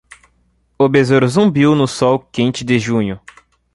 O besouro zumbiu no sol quente de junho.